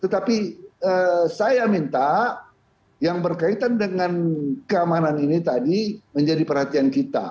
tetapi saya minta yang berkaitan dengan keamanan ini tadi menjadi perhatian kita